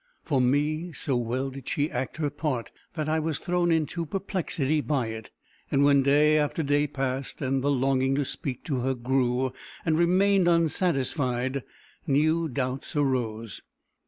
For me, so well did she act her part, that I was thrown into perplexity by it. And when day after day passed, and the longing to speak to her grew, and remained unsatisfied, new doubts arose.